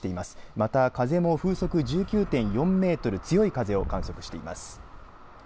また、風も風速１９．４メートル強い風を観測しています。